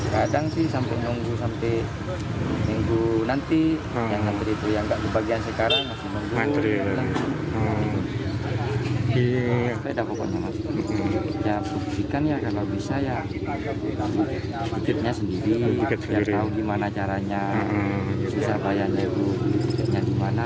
kalau bisa ya tiketnya sendiri biar tahu gimana caranya bisa bayar lewat tiketnya gimana antrenya